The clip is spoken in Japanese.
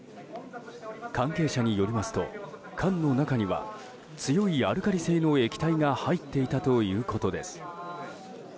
関係者によりますと缶の中には強いアルカリ性の液体が入っていたということです。